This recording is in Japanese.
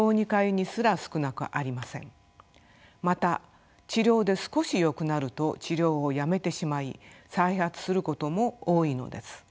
また治療で少しよくなると治療をやめてしまい再発することも多いのです。